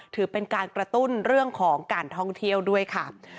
ถือเป็นการกระตุ้นเรื่องของการท่องเที่ยวด้วยค่ะ